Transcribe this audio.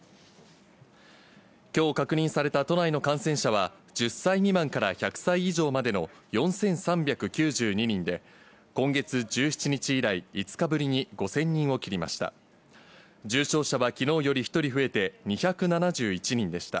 きょう確認された都内の感染者は、１０歳未満から１００歳以上までの４３９２人で、今月１７日以来、５日ぶりに５０００人を切りました。